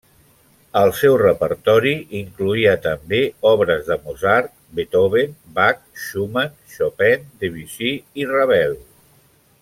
El seu repertori incloïa també obres de Mozart, Beethoven, Bach, Schumann, Chopin, Debussy i Ravel.